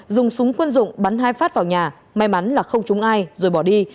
dùng súng quân dụng bắn hai phát vào nhà may mắn là không trúng ai rồi bỏ đi